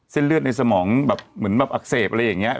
เส้นเลือดในสมองแบบเหมือนแบบอักเสบอะไรอย่างนี้